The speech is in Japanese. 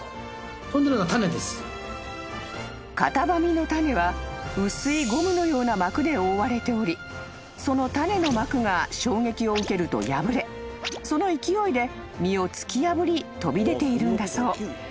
［カタバミの種は薄いゴムのような膜で覆われておりその種の膜が衝撃を受けると破れその勢いで実を突き破り飛び出ているんだそう］